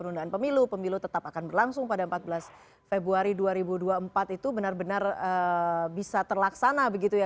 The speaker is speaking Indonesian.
penundaan pemilu pemilu tetap akan berlangsung pada empat belas februari dua ribu dua puluh empat itu benar benar bisa terlaksana begitu ya